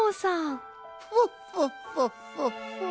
フォッフォッフォッフォッフォッ。